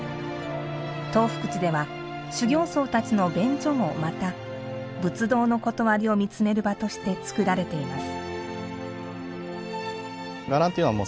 東福寺では修行僧たちの便所もまた仏道のことわりを見つめる場として作られています。